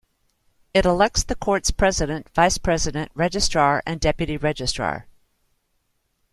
It elects the court's president, vice-president, registrar and deputy registrar.